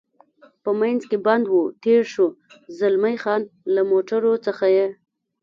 په منځ کې بند و، تېر شو، زلمی خان: له موټرو څخه یې.